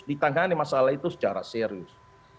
ditangani masalah itu secara serius